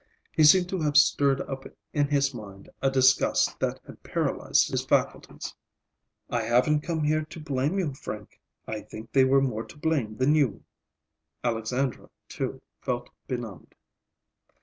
He seemed to have stirred up in his mind a disgust that had paralyzed his faculties. "I haven't come up here to blame you, Frank. I think they were more to blame than you." Alexandra, too, felt benumbed.